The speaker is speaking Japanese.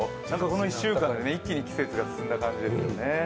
この１週間で一気に季節が進んだ感じですよね。